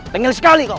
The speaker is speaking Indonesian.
tinggal sekali kau